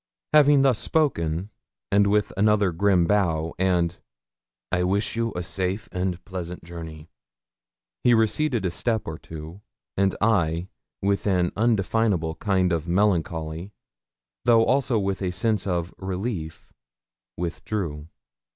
Having thus spoken, with another grim bow, and 'I wish you a safe and pleasant journey,' he receded a step or two, and I, with an undefinable kind of melancholy, though also with a sense of relief, withdrew.